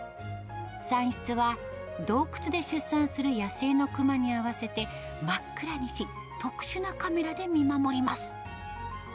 産室は、洞窟で出産する野生のクマに合わせて真っ暗にし、特殊なカメラで見守ります。